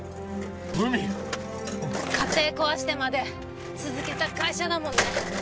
海家庭壊してまで続けた会社だもんね